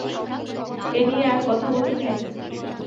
এ নিয়ে আর কথা বলতে চাই না।